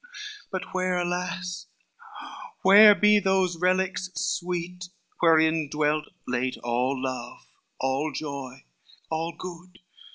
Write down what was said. LXXVIII "But where, alas, where be those relics sweet, Wherein dwelt late all love, all joy, all good?